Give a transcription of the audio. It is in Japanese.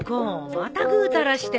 またぐうたらして。